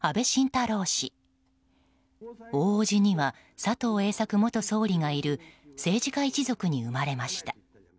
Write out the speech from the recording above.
大叔父には佐藤栄作元総理がいる政治家一族に生まれました。